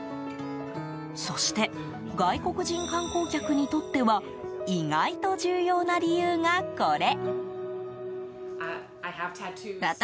そして外国人観光客にとっては意外と重要な理由が、これ。